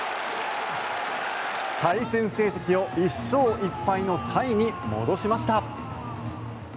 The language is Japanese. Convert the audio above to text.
対戦成績を１勝１敗のタイに戻しました。